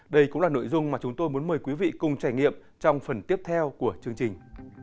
đây cũng là nội dung mà chúng tôi muốn mời quý vị cùng trải nghiệm trong phần tiếp theo của chương trình